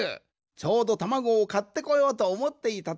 ちょうどたまごをかってこようとおもっていたところじゃ。